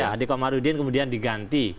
adekomarudin kemudian diganti